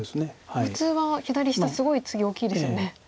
普通は左下すごい次大きいですよね。